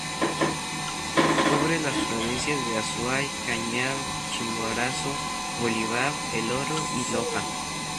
Cubre las provincias de Azuay, Cañar, Chimborazo, Bolívar, El Oro, y Loja.